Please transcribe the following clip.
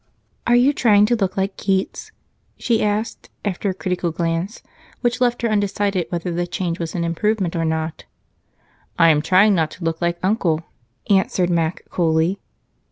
"Are you trying to look like Keats?" she asked, after a critical glance, which left her undecided whether the change was an improvement or not. "I am trying not to look like Uncle," answered Mac coolly.